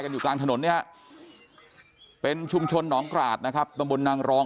อยู่กลางถนนเนี่ยฮะเป็นชุมชนหนองกราศนะครับตำบลนางรอง